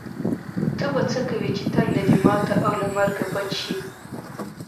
ته به څه کوې چې تنده دې ماته او له مرګه بچ شې.